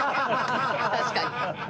確かに。